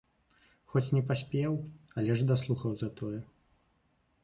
Хоць не паспеў, але ж даслухаў затое.